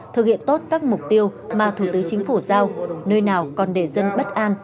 thực hiện tốt các mục tiêu mà thủ tướng chính phủ giao nơi nào còn để dân bất an